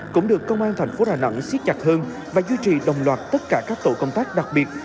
cũng được công an thành phố đà nẵng xiết chặt hơn và duy trì đồng loạt tất cả các tổ công tác đặc biệt